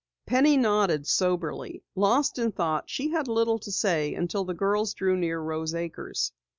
Penny nodded soberly. Lost in thought, she had little to say until the girls drew near Rose Acres.